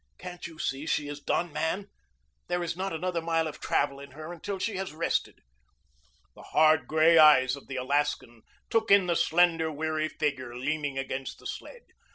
"Can't you see she is done, man? There is not another mile of travel in her until she has rested." The hard, gray eyes of the Alaskan took in the slender, weary figure leaning against the sled.